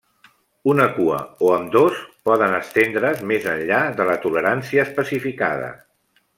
Una cua o ambdós poden estendre's més enllà de la tolerància especificada.